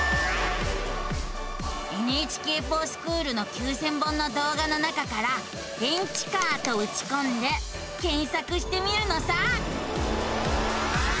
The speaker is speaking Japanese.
「ＮＨＫｆｏｒＳｃｈｏｏｌ」の９，０００本の動画の中から「電池カー」とうちこんで検索してみるのさ。